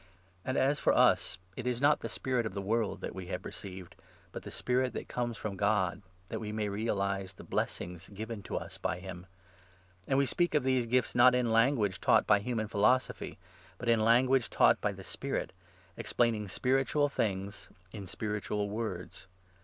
And as for us, 12 it is not the Spirit of the World that we have received, but the Spirit that comes from God, that we may realize the blessings given to us by him. And we speak of these gifts, not in Ian 13 guage taught by human philosophy, but in language taught by the Spirit, explaining spiritual things in spiritual words.